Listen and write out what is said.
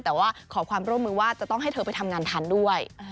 แต่ว่าขอความร่วมมือว่าจะต้องให้เธอไปทำงานทันด้วย